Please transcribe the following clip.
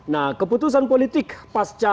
nah keputusan politik pasca